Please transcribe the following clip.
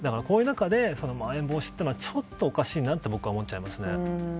こういう中で、まん延防止はちょっとおかしいなって僕は思っちゃいますね。